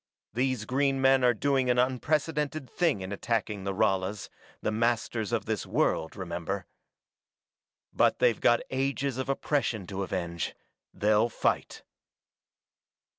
These green men are doing an unprecedented thing in attacking the Ralas, the masters of this world, remember. But they've got ages of oppression to avenge; they'll fight."